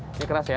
ini keras ya